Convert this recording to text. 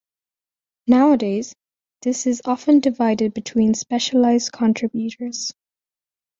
Nowadays, this is often divided between specialized contributors.